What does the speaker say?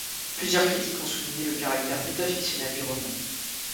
Plusieurs critiques ont souligné le caractère métafictionnel du roman.